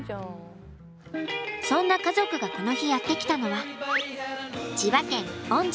そんな家族がこの日やって来たのは千葉県御宿。